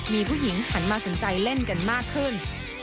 มีผู้หญิงหันมาสนใจเล่นกันมากขึ้น